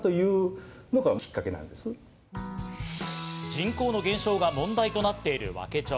人口の減少が問題となっている和気町。